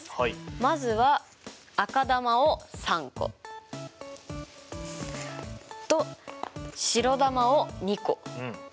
まずは赤球を３個。と白球を２個。